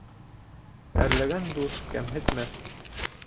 Әрләгән дуҫ кәмһетмәҫ